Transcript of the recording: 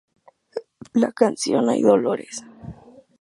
La canción "¡Ay Dolores!